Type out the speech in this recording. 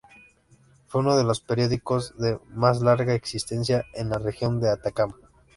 Fue uno de los periódicos de más larga existencia en la Región de Atacama.